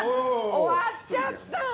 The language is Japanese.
終わっちゃった。